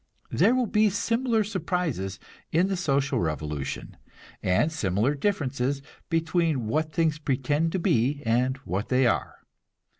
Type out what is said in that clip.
There will be similar surprises in the social revolution, and similar differences between what things pretend to be and what they are.